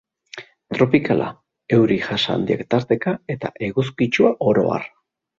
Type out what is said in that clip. Tropikala: euri-jasa handiak tarteka, eta eguzkitsua oro har.